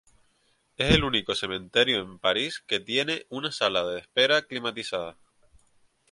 Es el único cementerio en París que tiene una sala de espera climatizada.